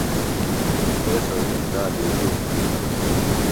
تھے سوۡ اِنڇ تا دی گُوم ہِنوۡ